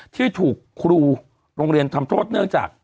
ที่ถูกครูโรงเรียนทำโทษเนื่องจาก